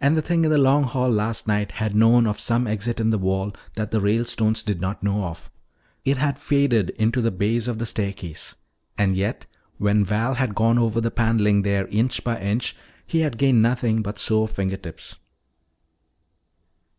And the thing in the Long Hall last night had known of some exit in the wall that the Ralestones did not know of. It had faded into the base of the staircase. And yet, when Val had gone over the paneling there inch by inch, he had gained nothing but sore finger tips.